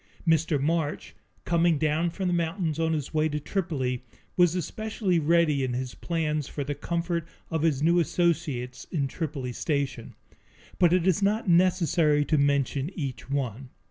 Mr. March, coming down from the mountains on his way to Tripoli, was especially ready in his plans for the comfort of his new associates in Tripoli Station. But it is not necessary to mention each one.